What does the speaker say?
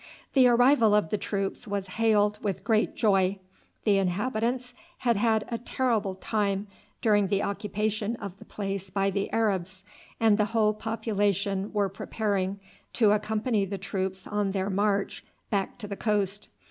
The arrival of the troops was hailed with great joy. The inhabitants had had a terrible time during the occupation of the place by the Arabs, and the whole population were preparing to accompany the troops on their march back to the coast.